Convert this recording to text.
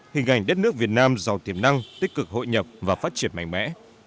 hình ảnh đất nước việt nam giàu tiềm năng tích cực hội nhập và phát triển mạnh mẽ